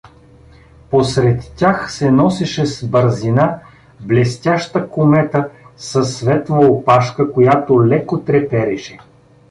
Посред тях се носеше с бързина блестяща комета със светла опашка, която леко трепереше.